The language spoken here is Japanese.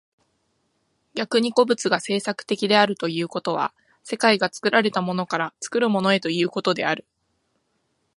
逆に個物が製作的であるということは、世界が作られたものから作るものへということである。